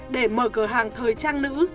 để mở cửa hàng thời trang nữ